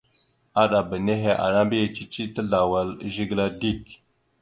Aɗaba nehe ana mbiyez cici tazlawal e zigəla dik.